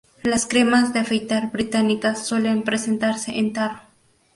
Las cremas de afeitar británicas suelen presentarse en tarro.